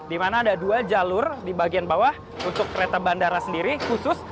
di mana ada dua jalur di bagian bawah untuk kereta bandara sendiri khusus